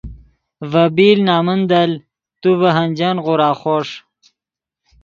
ڤے بیل نمن دل تو ڤے ہنجن غورا خوݰ